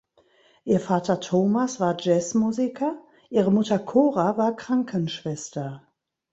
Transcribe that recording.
Ihr Vater Thomas war Jazzmusiker, ihre Mutter Cora war Krankenschwester.